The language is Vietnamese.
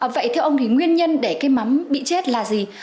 vậy theo ông thì nguyên nhân để cây mắm bị chết là gì